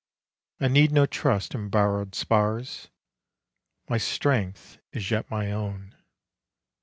I need no trust in borrowed spars; My strength is yet my own.